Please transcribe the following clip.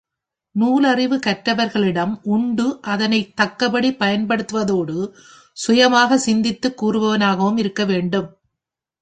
நூலறிவு கற்றவரிடம் உண்டு அதனைத் தக்கபடி பயன்படுத்துவதோடு சுயமாகச் சிந்தித்துக் கூறுபவனாகவும் இருக்க வேண்டும்.